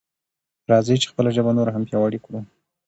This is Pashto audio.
راځئ چې خپله ژبه نوره هم پیاوړې کړو.